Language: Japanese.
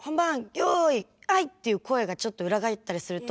よいはい！」っていう声がちょっと裏返ったりすると。